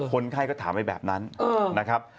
คนไข้ก็ถามไปแบบนั้นนะครับ